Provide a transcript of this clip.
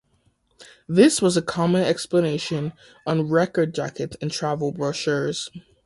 This was a common explanation on record jackets and travel brochures.